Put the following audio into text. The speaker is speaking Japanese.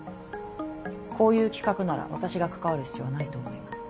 こういう企画なら私が関わる必要はないと思います。